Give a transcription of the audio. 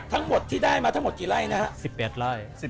ทั้งหมดที่ได้มาทั้งหมดกี่ไร่นะฮะ๑๑ไร่